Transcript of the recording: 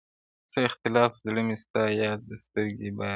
څه اختلاف زړه مي ستا ياد سترګي باران ساتي,